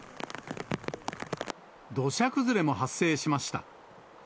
土砂崩れも発生しました。